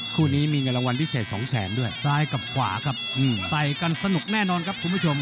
คู่นี้มีเงินรางวัลพิเศษสองแสนด้วยซ้ายกับขวาครับใส่กันสนุกแน่นอนครับคุณผู้ชม